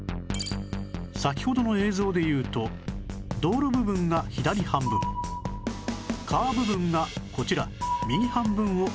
先ほどの映像で言うと道路部分が左半分川部分がこちら右半分を表しています